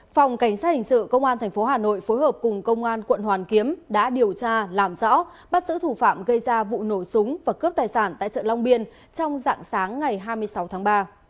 phòng cảnh sát hình sự công an tp hà nội phối hợp cùng công an quận hoàn kiếm đã điều tra làm rõ bắt giữ thủ phạm gây ra vụ nổ súng và cướp tài sản tại chợ long biên trong dạng sáng ngày hai mươi sáu tháng ba